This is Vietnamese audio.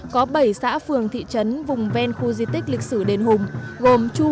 có bảy xã phường thị trấn vùng ven khu di tích lịch sử đền hùng